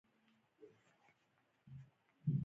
هر بانک هڅه کوي د ټکنالوژۍ له لارې خدمات اسانه کړي.